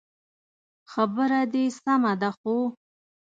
خبره دي سمه ده خو